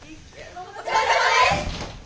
お疲れさまです！